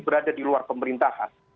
berada di luar pemerintahan